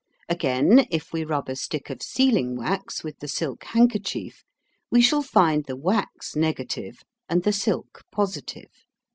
Again, if we rub a stick of sealing wax with the silk handkerchief, we shall find the wax negative and the silk positive.